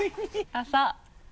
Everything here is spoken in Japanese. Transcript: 朝。